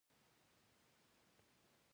متغیره پانګه هم زیاتېږي او پانګه وده کوي